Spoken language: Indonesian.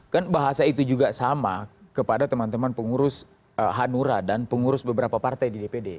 kan bahasa itu juga sama kepada teman teman pengurus hanura dan pengurus beberapa partai di dpd